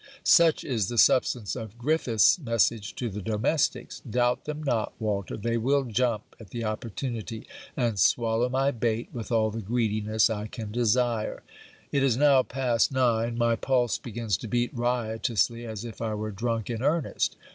Such is the substance of Griffiths' message to the domestics. Doubt them not, Walter; they will jump at the opportunity, and swallow my bait with all the greediness I can desire. It is now past nine. My pulse begins to beat riotously, as if I were drunk in earnest.